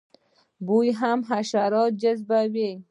بوی هم حشرات جذبوي